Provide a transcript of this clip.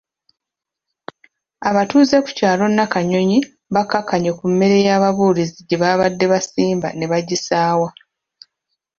Abatuuze ku kyalo Nakanyonyi bakkakkanye ku mmere ya babuulizi gye babadde baasimba ne bagisaawa.